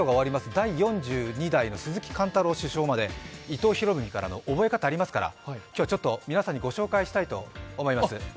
第４２代の鈴木貫太郎首相まで伊藤博文からの覚え方ありますから、皆さんにご紹介します。